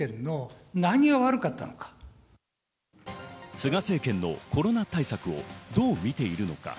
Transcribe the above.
菅政権のコロナ対策をどう見ているのか？